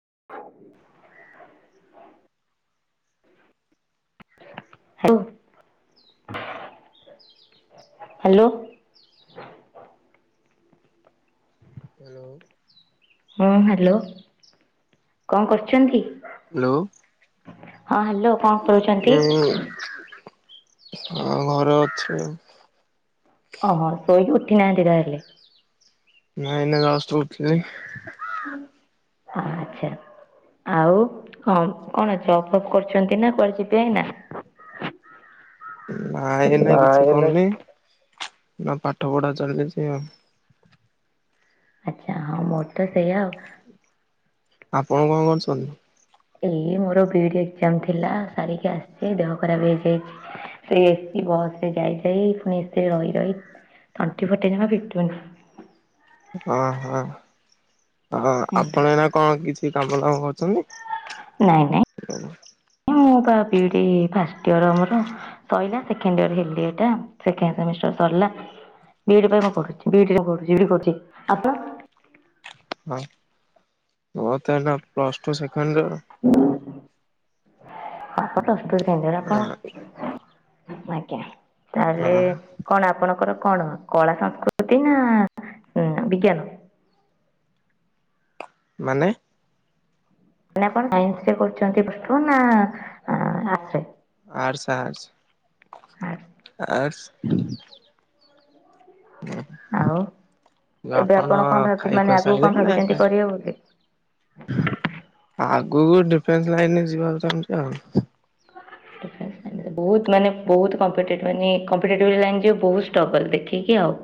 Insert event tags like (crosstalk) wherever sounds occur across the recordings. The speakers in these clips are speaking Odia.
। ହାଲୋ। ହାଲୋ। ହ୍ୟାଲୋ। ହଁ ହାଲୋ, କଣ କରୁଚନ୍ତି? ଲୋ ହଁ ହ୍ୟାଲୋ କଣ କରୁଛନ୍ତି? ଏ ଘରେ ଅଛି ଆଉ। ଓହୋ! ଶୋଇକି ଉଠି ନାହାନ୍ତି ତାହେଲେ? ନାଇଁ ଏଇନେ ଜଷ୍ଟ ଉଠିଲି। ଆଚ୍ଛା। ଆଉ କଣ କଣ ଜବ୍ ଫପ୍ କରୁଚନ୍ତି ନା କୁଆଡେ ଯିବେ ଏଇନା? ହ ନାଇଁ ଏଇନା କିଛି କରନି। ନା ପାଠ ପଢା ଚାଲିିଚି ଆଉ। ଆଚ୍ଛା ହଁ ମୋର ତ ସେଇଆ ଆଉ। ଆପଣ କଣ କରୁଛନ୍ତି? ଏଇ ମୋର ବିଇଡି ଏକ୍ଜାମ ଥିଲା ସାରିକି ଆସିଚି। ଦେହ ଖରାପ ହେଇଯାଇଛି। ସେ ଏସି ବସ୍ ରେ ଯାଇ ଯାଇ ପୁଣି ସେ ରହି ରହି ତଣ୍ଟି ଫଣ୍ଟି ଜମା ଫିଟୁନି। ଓହୋ, ଓ ଆପଣ ଏଇନା କଣ କିଛି କାମ ଦାମ କରୁଛନ୍ତି? ନାଇଁ ନାଇଁ (unintelligible) ମୁଁ ପା ବିଇଡି ଫାର୍ଷ୍ଟ ଇୟର୍ ମୋର ସଇଲା। ସେକଣ୍ଡ ଇୟର୍ ହେଲି ଏଟା ସେକେଣ୍ଡ ସେମିଷ୍ଟାର ସର ସଲା ବିଇଡି ପାଇଁ ମୁଁ ପଢୁଛି। ବିଇଡି ରେ ପଢୁଚି ବୋଲି କରୁଚି। ଆପଣ? ମୋ ତ ଏବେ plus two second year. (unintelligible) Plus two second year year ଆପଣ, ଆଜ୍ଞା। ତାହାଲେ ହଁ କଣ ଆପଣଙ୍କର କଣ କଳା ସଂସ୍କୃତି ନା ଉଁ, ବିଜ୍ଞାନ? ମାନେ? ମାନେ ଆପଣ ସାଇନ୍ସରେ କରୁଚନ୍ତି ପ୍ଲସ୍ ଟୁ ନା ଅଁ, ଆର୍ଟ୍ସ ରେ? Arts, arts, arts arts. ଆଉ ଏବେ ଆପଣ କଣ ଭାବି ଖାଇ ମାନେ ଖୁଆ ଆଗକୁ କଣ ସାଇଲେଣି ନା ଭାବିଚନ୍ତି କରିବେ ବୋଲି? (inaudible) ଆଗକୁ ଡିଫେନ୍ସ ଲାଇନ୍ ରେ ଯିବାକୁ ଚାହୁଁଚି ଆଉ। ଡିଫେନ୍ସ ମାନେ ସେ ବହୁତ ମାନେ ବହୁତ କମ୍ପିଟେଟିଭ ଲାଇନ୍ ଯେ ବହୁ ଷ୍ଟ୍ରଗଲ ଦେଖିକି ଆଉ।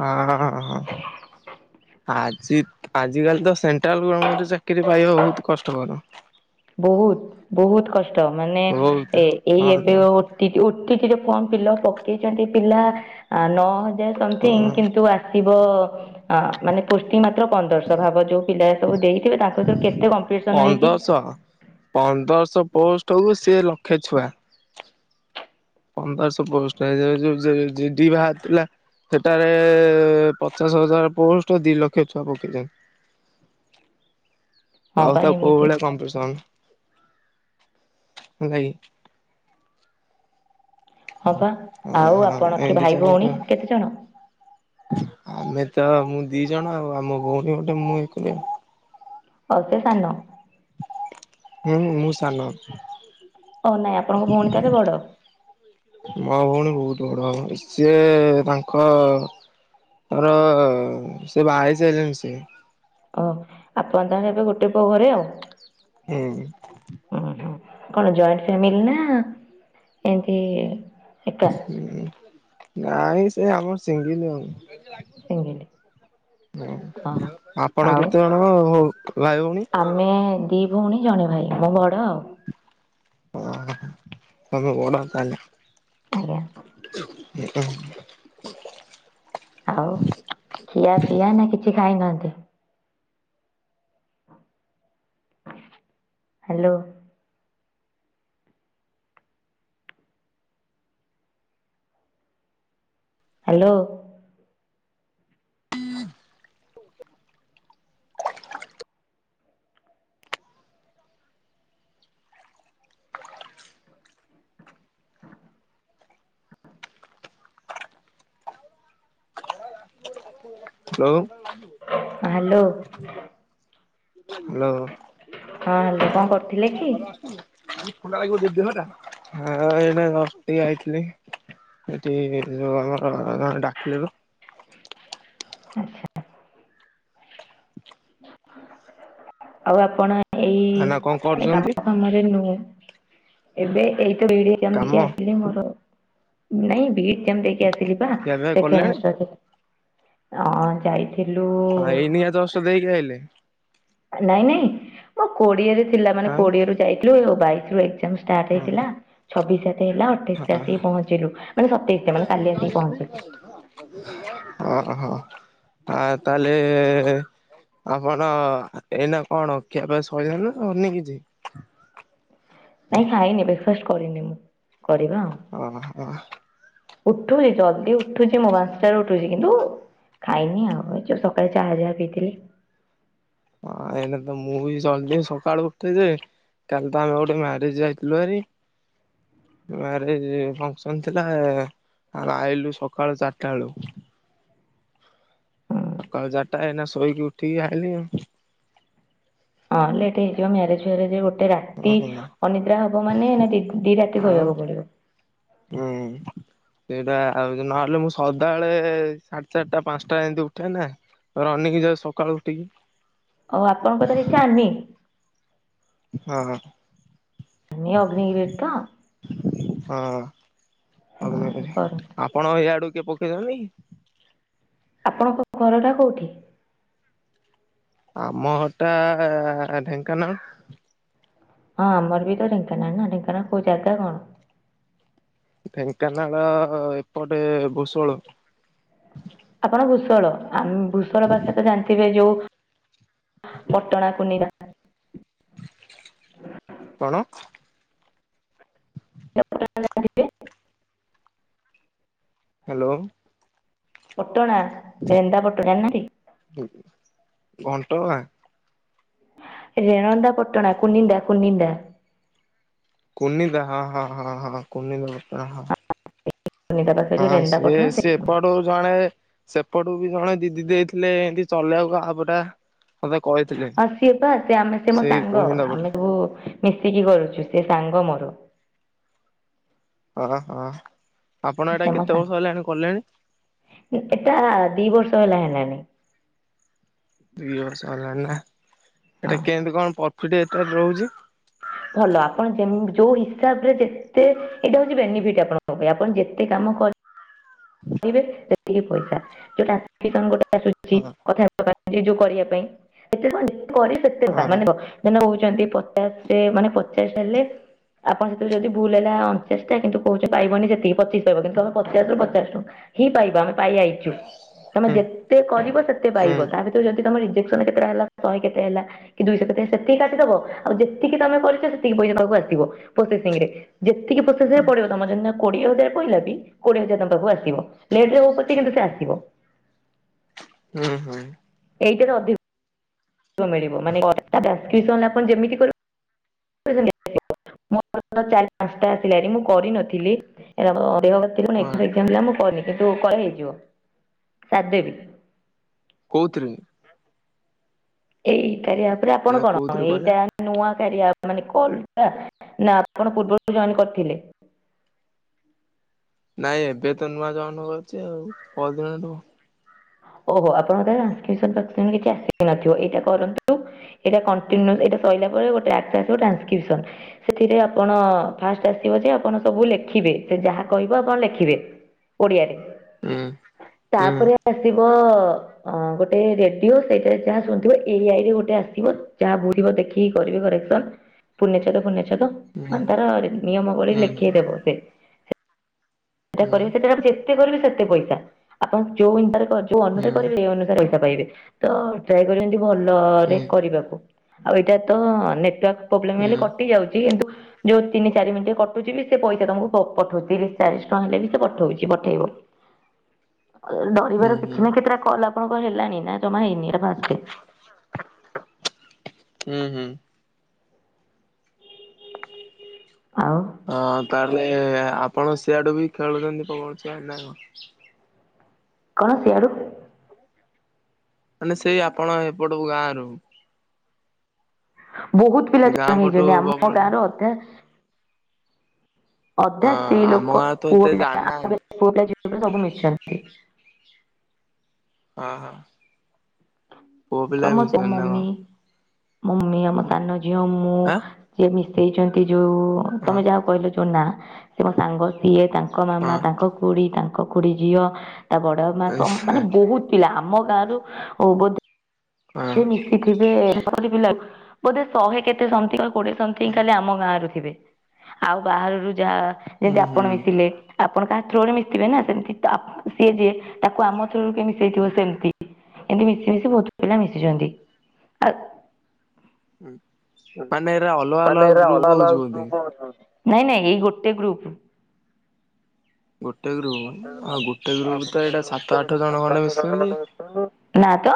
ହଁ, ହୋ, ହୋ, ହଁ। ଆଜି ଆଜିକାଲି ତ ସେଣ୍ଟ୍ରାଲ ଗର୍ମେଣ୍ଟ ଚାକିରି ପାଇବା ବହୁତ କଷ୍ଟକର। ବହୁତ ବହୁତ କଷ୍ଟ ମାନେ ବହୁତ ଏ ଏଇ ହଁ ତ ଏବେ ପା ଓଟିଇଟି ଓଟିଇଟି ଯୋ ଫର୍ମ ଫିଲପ୍ ପକେଚନ୍ତି ପିଲା ଆ, ନଅ ହଜାର ସମଥିଙ୍ଗ ହଁ କିନ୍ତୁ ଆସିବ ହଁ ମାନେ ପୁଷ୍ଟିଂ ମାତ୍ର ପନ୍ଦରଶ ଭାବ ଯୋଉ ପିଲା ଏସବୁ ଦେଇଥିବେ ତାଙ୍କ ଭିତରୁ କେ ତେ କମ୍ପିସନ ହେଇକି ପନ୍ଦରଶହ ପନ୍ଦରଶହ ପୋଷ୍ଟ କୁ ସିଏ ଲକ୍ଷେ ଛୁଆ। ପନ୍ଦରଶହ ପୋଷ୍ଟ ହେଇ ଯୋଉ ଯୋଉ ଯେ ଯି ଡିଭା ଥିଲା ସେଟାରେ ପଚାଶ ହଜାର ପୋଷ୍ଟ ଦି ଲକ୍ଷ ଛୁଆ ପକେଇଚନ୍ତି। ହ ଆଉ ତ କୋଉ ଭଳିଆ କମ୍ପିଡସନ। ହେଲାକି। ହଁ ପା, ଆଉ ଆପଣ କି ଏମିତି ଭାଇ ଚାଲିଛି ଭଉଣୀ କେତେ ଜଣ? ଆମେ ତ, ମୁଁ ଦି ଜଣ ଆଉ, ଆମ ଭଉଣୀ ଗୋଟେ ମୁଁ ଏକରେ ଆଉ ଅ (unintelligible) ସେ ସାନ ହଁ ମୁ, ମୁ, ସାନ ହ ନାଇଁ, ଆପଣଙ୍କ ଭଉଣୀ ତାରେ ବଡ ମୋ ଭଉଣୀ ବହୁତ ବଡ, ଭଉଣୀ, ସିଏ ତାଙ୍କ ମୋର ସେ ବାହା ହେଇ ସାଇଲେଣି ସେ ଓହ, ଆପଣ ତାହାଲେ ଏବେ ଗୋଟେ ପୁଅ ଘରେ, ଆଉ ହୁଁ ଉଁ ହୁଁ କଣ ଜଏଣ୍ଟ ଫ୍ୟାମିଲି ନା ଏମତି ହ ଏକା ନାଇଁ ସେ ଆମର ସିଙ୍ଗିଲ ସିଙ୍ଗିଲି ଓହୋ। (unintelligible) ଆପଣ ଆଉ କେତେ ଜଣ ହଉ ଭାଇ ଭଉଣୀ? ଆମେ ଦି ଭଉଣୀ, ଜଣେ ଭାଇ, ମୁଁ ବଡ ଆଉ ହ ସମେ କଡତାାନ (unintelligible) ଆଜ୍ଞା। ଏ (unintelligible) ଆଉ ଖିଆ ପିଆ ନା କିଛି ଖାଇନାହାନ୍ତି? ହାଲୋ ହାଲୋ ହୁ (unintelligible) ହାଲୋ ହାଲୋ ହଁ ହଁ ହାଲୋ କଣ କରଥିଲେ କି? କଣ୍ଡ ଯ ଏଇ ଯଇଥିଲି (unintelligible) ସେଠି ଯୋଉ ଆମର ଡାକିଲେ ତ ଆଚ୍ଛା ଆଉ ଆପଣ ଏଇ, ଭାଇନା କଣ ମାନେ କାମ କରୁଛନ୍ତି? ଫାମରେ ନୁହେଁ ଏବେ କାମ ଏଇ ଆସିଲି, ମୋର ନାଇଁ ଖିଆ ପିଆ କଲେଣି? ଆସ ଯାଇ (unintelligible) ହଁ ଏଇନିଆ ଦଷ ଦେଇକି ଆଇଲେ। ନାଇଁ ନାଇଁ ମୋ କୋଡିଏରେ ଥିଲା, ମାନେ ଆଉ କୋଡିଏରୁୁ ଯାଇଥିଲୁ ଆ ବାଇଶି ରୁ ଏକଜାମ ଷ୍ଟାର୍ଟ ହେଇଥିଲା, ଛବିଶ ହେଲା, ଅଠେଇଶରେ ଆସିକି ପହଞ୍ଚିଲୁ, ମାନେ ସତେଇଶରେ, ମାନେ କାଲି ଆସିକି ପହଞ୍ଚିଲୁ। ହହୋ ଆ ତାହେଲେ ଆପଣ ଏଇନା କଣ ଅ ଖିଆପିଆ ସରିଲାନି ନା ସରିନି କିଛି? ନାଇଁ ଖାଇନି, ବ୍ରେକଫାଷ୍ଟ କରନି ମୁଁ। କରିବା ଆଉ। ଓ ହ ଉଠୁଛି ଜଲ୍ଦି ଉଠୁଛି, ମୁଁ ବାଞ୍ଚଟାରୁ ଉଠୁଛି କିନ୍ତୁ ଖାଇନି ଆଉ ଏ ଯୋଉ ସକାଳେ ଯାହା ଯାହା ପିଇ ଥିଲି। ହଁ ଏଲେ ତ ମୁଁ ବି ଚାଲଛି ସକାଳ ଉଠେ ଯେ କାଲି ତ ଆମେ ଗୋଟେ ମ୍ୟାରେଜ ଯାଇଥିଲୁ ହାରି ମାରେଜ ଫଙ୍କସନ ଥିଲା। ଆ ଆଇଲୁ ସକାଳୁ ଚାରିଟା ବେଳୁ ହୁଁ। ଆଉ ସକାଳ ଚାରିଟା, ଏନା ଶୋଇକି ଉଠିକି ଆଇଲି ଆଉ ହଁ ଲେଟ ହେଇଯିବ ମ୍ୟାରେଜ ଫ୍ୟାରେଜ ଗୋଟେ ରାତି ଆଉ। ଅନିଦ୍ରା ହବ ମାନେ ନା ଦି ରାତି ଆଉ ଶୋଇବାକୁ ପଡିବ? ହୁଁ। ସେଇଟା ଆଉ ନହେଲେ ମୁଁ ସଦାଳେ ସାଢେ ଚାରିଟା ପାଞ୍ଚଟା ଏମିତି ଉଠେ ନା। ର ଅନକି ଯାଏ ସକାଳୁ ଉଠିକି। ହଉ ଆପଣଙ୍କ ତାର ଇଚଛାନି? (unintelligible) ହଁ ହ। ଅଗ୍ନିବିର ତ ହଁ ହୁଁ କରନ୍ତୁ। ଆପଣ ଏଇଆଡୁ- କେଏ ପକ୍ଷେ ଯାଉନି ଆପଣଙ୍କ ଘରଟା କୋଉଠି? ଆମ ହଟା ଢେଙ୍କାନାଳ। ହଁ ଆମର ବି ତ ଢେଙ୍କନାଳ ଢେଙ୍କାନାଳ କୋଉ ଜାଗା କଣ? ଢେଙ୍କାନାଳ ଏପଟେ ଭୂଷଳ ରୁ। ଆପଣ ଭୂଷଳ ଆମେ ଭୂଷଳ ପାସ ତ ଜାଣିଥିବେ ଏ ଯୋଉଁ ପଟଣା କୁନିନ୍ଦା। କଣ (inaudible) ହ୍ୟାଲୋ ପାଟଣା ରେଣାନ୍ଦାପଟଣା ନାଁ କି? ଘଣ୍ଟଗାଁ? ରେଣନ୍ଦା ପଟଣା କୁନିନ୍ଦା କୁନିନ୍ଦା। କନିନ୍ଦା ହଁ ହଁ ହଁ ହଁ କନିନ୍ଦା ପଟଣା ହଁ। କୁନିନ୍ଦା ପାଖରେ ଯୋଉ ହଁ ରେନ୍ଦା ସିଏ ପଟଣା ସେ ସେଠି ଆମର ଏପଟୁ ଜଣେ ସେପଟୁ ବି ଜଣେ ଦିଦି ଦେଇଥିଲେ ଏମତି ଚଲେଇ ବାକୁ ଆପ ଟା। ମତେ କହିଥିଲେ ହଁ ସିଏ ପା ସେ ଆମେ ସ ମୋ ସେଇ ସାଙ୍ଗ କୁନିଦା ପଟୁ ଆମେ ସବୁ ମିଶିକି କରୁଛୁ ସେ ସାଙ୍ଗ ମୋର ହଁ ହଁ। ଆପଣ ଏଇଟା ସେ ମୋ କେତେ ସାଙ୍ଗ ବର୍ଷ ହେଲାଣି କଲେଣି? ଏଟା ଦି ବର୍ଷ ହେଲା ହେଲାଣି ଦି ବର୍ଷ ହେଲା ନାଁ ଏଟା ହଁ କେମିତି କଣ ପ୍ରଫିଟି ଏଟା ରହୁଛି? ଭଲ ଆପଣ ଯେମ ଯୋଉ ହିସାବରେ ଯେତେ ଏଇଟା ହଉଛି ବେନିଫିଟ ଆପଣଙ୍କ ପାଇଁ ଆପଣ ଯେତେ କାମ କର। ପଇସା ଯୋଉଟା ଗୋଟେ ଆସୁଛି ହଁ କଥା ଯ ଯୋଉ କରିବା ପାଇଁତେ ଯେ ସେତେ ଟଙ୍କା ହଁ ମାନେ କହେହୁ ପଚାଶ ମାନେ ପଚାଶ ହେଲେ ଆପଣ ସେଥିରୁ ଯଦି ଭୁଲ ହେଲା ଅଣାଶ ଟା କିନ୍ତୁ କହୁଛଛି ପାଇବନି ସେତିକି ପଚିଶ ପାଇହ କିନ୍ତୁମେ ପଚାଶ ରୁ ପଚାଶଟୁ ହିଁ ପାଇବା ଆମେ ପାଇ ଆଇଛୁ ତମେ ହୁଁ ଯେତେ କରିବ ସେତେ ହୁଁ ପାଇବ ତା ଭିତରୁ ଯଦି ତମର କେତେଟା ହେଲା ଶହେ କେତେ ହେଲା କି ଦୁଇଶହ କେତେ ସେତିକି କାଟିଦବ ଆଉ ଯେତିକି ତମେ କରିଛ ସେତିକି ପଇସା ଆସିବ ପୋଷେସିଂ ରେ ଯେତିକି ପୋସେସ ପଡିବ ତମ ଦି କୋଡିଏ ହଜାର ପଇଲାବି କୋଡିଏ ହଜାର ତୁମ ପାଖକୁ ଆସିବ। ଲେଟରେ ହୋଉ ପଛେ ସେ ଆସିବ। ହୁଁ ହୁଁ। ଏଇଟାରେ ଅଧିକ ଅଧିକ ମିଳଵ ମାନେ ଟ୍ରଷକିଷାନ ଯେମିତି କରିବ (unintelligible) ମୋ ଚାରୀ ପାଞ୍ଚଟା ଆସିଲା ମୁଁ କରିନଥିଲି ଦେହ ମୁଁ କରନି କିନ୍ତୁ ହଁ ଏକ୍ସଜାମ ଥିଲା ମୁଁ କରିନି କିନ୍ତୁ ମୁଁ କରିଦେବି ସାରିଦେବି। କୋଉଥିରେ ଏଇ କାରିଆ ଆପ ରେ ଆପଣ ନା କଣ କୋଉଥିରେ କହିଲେ? ଏଇଟା ନୂଆ କାରିଆ ଆପ ମାନେ କଣ ଟା ନାଁ ଆପଣ ପୃବରୁ ଜଏନ କରିଥିଲେ। (unintelligible) ନାଇଁ ଏବେ ତ ନୂଆ ଜନ ହୋଉଛି ଆଉ ପଦିନଠୁ। ଓହୋ ଆପଣଙ୍କର ଟ୍ରାନ୍ସକିଷାନ ପାସକିସ କିଛି ଆସିନଥିବ ଏଇଟା କରନ୍ତୁ ଏଇଟା କଟିନିଉ ସଇଲାପରେ ଗୋଟେ ଟ୍ୟାକ୍ସ ଆସିବ ଟ୍ରାଷକିଶନ ସେଥିରେ ଆପଣ ଫାଷ୍ଟ ଆସିବ ଯେ ଆପଣ ସବୁ ଲେକି ସେ ଯାହା କହିବ ଆପଣ ଲେଖିବେ ଓଡିଆରେ ହୁଁ ହୁଁ। (unintelligible) ଗୋଟେ ରେଡିଓ ସେଇଟାରେ ଯାହା ଶୁଣୁଥିବ ଏଆଇ ରେ ଗୋଟେ ଆସିଥିବ ଯାହା ବୁଝପାରୁଥିବ ଦେଖିକି କରିବେ କରେକ୍ସନ ପୁନେଚ୍ଛେଦ ଫୁନେଛେ - ତ ହୁଁ ମାନେ ତାର ନିୟମ ଭଳି ଲେଖେଇଦବ ସେ ସେଟା କରିବେ ହୁଁ ସେଟା ଯେତେ କରିବେ ସେତେ ପଇସା ଆପଣ ଯୋଉଁ ଯୋଉ ଅନୁସାରେ କରିବେ ଏଇ ଅନୁସାରେ ପଇସା ପାଇବେ ତ ଟ୍ରାଏ କରିବେ ଭଲରେ କରିବାକୁ। ଆଉ ଏଇଟା ତ ନେଟୱାର୍କ ପ୍ରୋବ୍ଲେମ ହେଲେ କଟି ଯାଉଛି କିନ୍ତୁ ଯୋଉ ତିନି ଚାରି ମିନିଟ କଟୁଛି ବି ସେ ପଇସା ତମକୁ ପ-ପଠଉ ତିରିଶ ଚାଳିଶ ଟଙ୍କା ହେଲେ ବି ସେ ପଠଉଛି, ପଠେଇବ। ଡରିବାର କିଛି ନା କେତେଟା କଲ ଆପଣଙ୍କର୍ ହେଲାଣି ନା ଜମା ହେଇନି, ଏଇଟା ଫା (unintelligible) ହୁଁ ହୁଁ। ଆଉ ହଁ ତାହେଲେ ଆପଣ ସିଆଡୁ ବି ଖେଳୁଛନ୍ତି (unintelligible) ନା କଣ? କଣ ସିଆଡୁ? ମାନେ ସେଇ ଆପଣ ଏପଟୁ ଗାଁ ରୁ? ବହୁତ ସେ ପିଲା ଗାଁ (inaudible) ପଟୁ ହେଇଛନ୍ତି ଆମ ପବନ ଗାଁ ହଁ ର ଅଧେ ଅଧା ସ୍ତ୍ରୀ ଆମ ଲୋକ ଗାଁ ତ ପୁଅ ଏତେ ପିଲା ଆମ ଜାଣିନାହାନ୍ତି ପୁଅ ପିଲା ଝିଅ ପିଲା ସବୁ ମିଶଛନ୍ତି। ହଁ ହଁ। ପୁଅ ପିଲା ସମତେ ମିଶୁଛନ୍ତି ନା ମମି କଣ? ମମି, ଆମ ସାନ ଝିଅ, ମୁଁ, ଆଁ ଯିଏ ମିଶେଇଛନ୍ତି ଯୋଉ ହଁ ତମେ ଯାହା କହିଲ ଯୋଉ ନା ସେ ମୋ ସାଙ୍ଗ ସିଏ, ତାଙ୍କ ମାମା, ହଁ ତାଙ୍କ ଖୁଡି ତା ତାଙ୍କ କୁଡି ଝିଅ, ତା ବଡ ମା ସମ୍ ମାନେ ବହୁତ ପିଲା ଆମ ଗାଁରୁ ବୋଧ ହଁ ମିଶିଥିବେ ପିଲା ବୋଧେ ଶହେ କେତେ ସଂଥି କୋଡିଏ ସନ୍ଥୀ ଖାଲି ହୁଁ ଆମ ଗାଁ ରୁ ଥିବେ, ଆଉ ବାହାରରୁ ଯାହା ଯେମତି ଆପଣ ହୁଁ। ମିଶିଲେ। ଆପଣ କାହା ଥ୍ରୋ ରେ ମିଶିଥିବେ ନା ସେମିତି ତ ଆ ସିଏ ଯିଏ ତାକୁ ଆମ ଥ୍ରୋରୁ କିଏ ହୁଁ ମିଶେଇଥିବ ସେମିତି। ଏିମତି ମିଶି ମିଶି ବହୁତ ପିଲା ମିଶିଛନ୍ତି ଆ ହୁଁ। ମାନେ ଏରା ଅଲଗା ମାନେ ଏଇରା ଗ୍ରୁପ ଅଲଗା ହଉଛି ବୋଧେ। ଅଲଗା (unintelligible) ନାଇଁ ନାଇଁ ଏଇ ଗୋଟେ ଗ୍ରୁପ। ଗୋଟେ ଗ୍ରୁପ, ଆଉ ଗୋଟେ ଗ୍ରୁପ ତ ଏଇଟା ସାତ ଆଠ ଜଣ ଖଣ୍ଡେ ମିଶୁଛନ୍ତି। ନା ତ।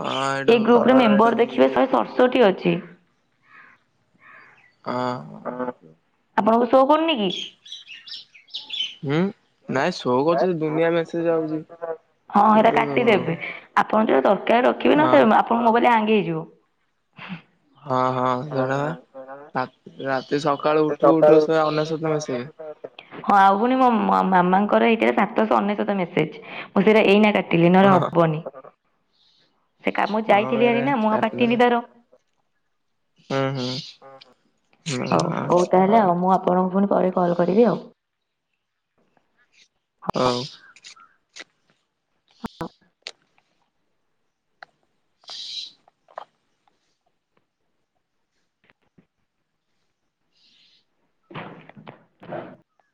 ହଁ ଏଇଟା ଏଇ ଗ୍ରୁପରେ ମେମ୍ବର ଦେଖିଥିଲି ଦେଖିବେ ଯେ ଶହେ ସତଷଠି ଅଛି। ହଁ ଆପଣଙ୍କୁ ସୋ କରୁନି କି? ହୁଁ ନାଇଁ ସୋ କରୁଛି ଯେ ଦୁନିଆ ମେଶଜ ଆଉଛି। ହଁ ସେଇଟା କିନ୍ତୁ କାଟିଦେବେ, ଆପଣ ଯୋଉ ଦରକାର ରଖିବେ ନା ହଁ ସେ ଆପଣ ମୋବାଇଲ ହାଙ୍ଗ ହେଇଯିବ। ହଁ ହଁ ସେଟା। ହା ରାତି ସକାଳୁ ଉଠୁ ଉଠୁ ସେ ଅନେଶତ୍ ମେସେଜ। ହଁ ଆଉ ପୁଣି ମୋ ମାମାଙ୍କର ଏଇଟା ସାତଶହ ଅନେଶତ ମେସେଜ, ମୁଁ ସେଇରା ଏଇନା କା ତି ହଁ ଦିନରେ ହଁ ହବନି। ସେ କାମଁ ହଁ ଯାଇଥିଲି ପରା ଏଇନା ମୁଁ ଆଉ କାଟିନି କାଟିଦେଲ ତାର ହୁଁ ହୁଁ ହଁ ହଉ ହଁ ହଉ ତାହେଲେ ଆଉ ମୁଁ ଆପ ଆପଣଙ୍କୁ ପୁଣି ପରେ କଲ୍ କରିବି ଆଉ। ହଉ। (inaudible)